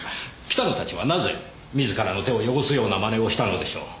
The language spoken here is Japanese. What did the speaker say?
北野たちはなぜ自らの手を汚すような真似をしたのでしょう？